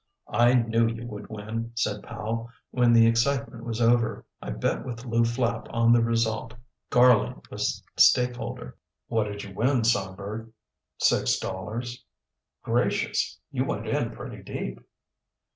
"I knew you would win," said Powell, when the excitement was over. "I bet with Lew Flapp on the result. Garling was stakeholder." "What did you win, Songbird"? "Six dollars." "Gracious! You went in pretty deep.'